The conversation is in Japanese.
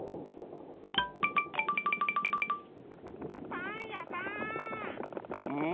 パンやさん。